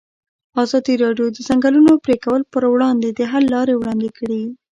ازادي راډیو د د ځنګلونو پرېکول پر وړاندې د حل لارې وړاندې کړي.